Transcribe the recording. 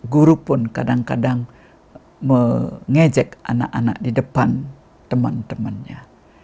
guru pun kadang kadang mengejek anak anak di depan teman temannya